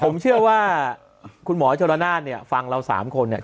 ผมเชื่อว่าคุณหมอชลาดน้านฟังเราสามคน